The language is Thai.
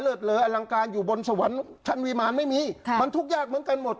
เลยอลังการอยู่บนสวรรค์ชั้นวิมารไม่มีค่ะมันทุกข์ยากเหมือนกันหมด